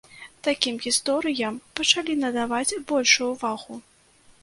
Такім гісторыям пачалі надаваць большую ўвагу.